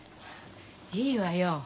いいわよ。